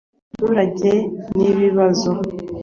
w abaturage n ibibazo